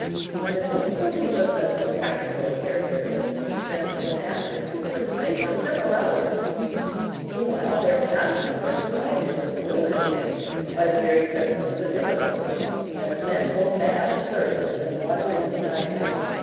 And the difficulty was of so practical a character as to keep them inactive for the space of several hours. Meanwhile their passions were excited to the boiling point by the very presence of the difficulty, as men go mad of thirst when water is denied them.